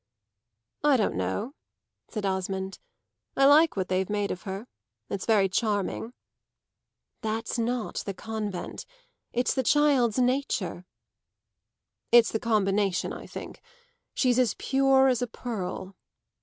"I don't know," said Osmond. "I like what they've made of her. It's very charming." "That's not the convent. It's the child's nature." "It's the combination, I think. She's as pure as a pearl."